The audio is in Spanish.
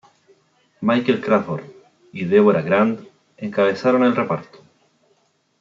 Michael Crawford y Deborah Grant encabezaron el reparto.